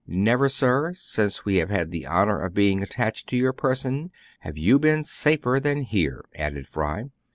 "Never, sir, since we have had the honor of being attached to your person, have you been safer than here," added Fry.